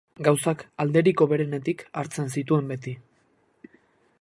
Gauzak alderik hoberenetik hartzen zituen beti.